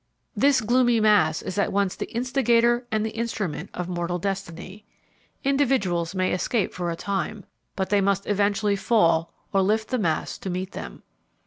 This gloomy mass is at once the instigator and the instrument of mortal destiny. Individuals may escape for a time, but they must eventually fall or lift the mass to meet them.